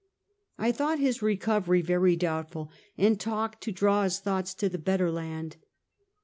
I thought his recovery very doubtfnl, and talked to draw his thoughts to the better land.